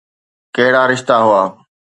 ڪهڙا رشتا هئا؟